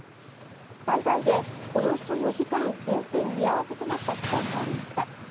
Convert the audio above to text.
最大でおよそ４時間運転見合わせとなった区間もありました。